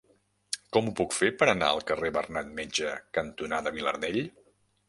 Com ho puc fer per anar al carrer Bernat Metge cantonada Vilardell?